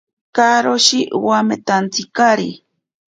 Karoshi wametantsinkari.